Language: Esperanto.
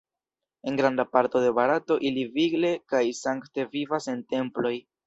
En granda parto de Barato ili vigle kaj sankte vivas en temploj.